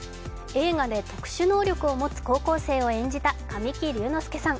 映画で特殊能力を持つ高校生を演じた神木隆之介さん。